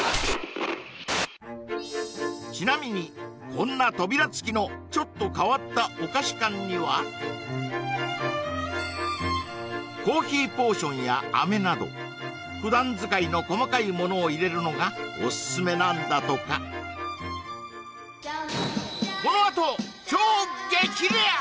ちなみにこんな扉つきのちょっと変わったお菓子缶にはコーヒーポーションや飴など普段使いの細かいものを入れるのがオススメなんだとかこのあと超激レア！